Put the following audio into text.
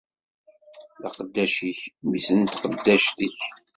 D aqeddac-ik, mmi-s n tqeddact-ik.